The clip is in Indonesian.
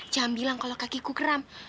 jangan bilang kalau kakiku keram